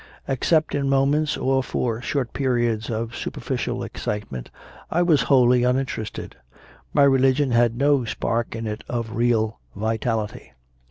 Except in moments, or for short periods of superficial excite ment, I was wholly uninterested. My religion had no spark in it of real vitality.